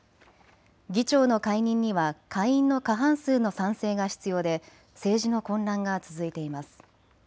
議長の解任には下院の過半数の賛成が必要で政治の混乱が続いています。